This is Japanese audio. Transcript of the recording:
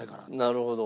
なるほど。